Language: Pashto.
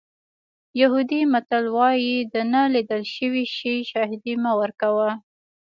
یهودي متل وایي د نه لیدل شوي شي شاهدي مه ورکوه.